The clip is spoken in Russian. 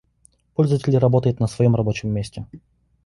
Пользователь работает на своем рабочем месте